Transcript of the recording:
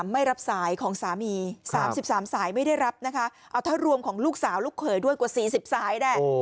ไม่รับสายของสามี๓๓สายไม่ได้รับนะคะเอาถ้ารวมของลูกสาวลูกเขยด้วยกว่า๔๐สายแหละ